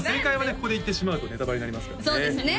ここで言ってしまうとネタバレになりますからね